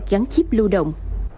gắn chip lưu động